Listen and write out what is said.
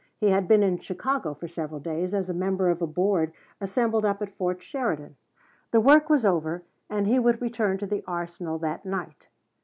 He had been in Chicago for several days, as a member of a board assembled up at Fort Sheridan. The work was over and he would return to the Arsenal that night.